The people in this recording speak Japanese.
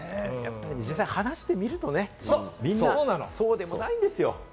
実際話してみると、そうでもないんですよ。